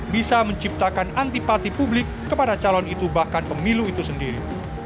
bisa menciptakan antipati publik kepada calon itu bahkan pemilu itu sendiri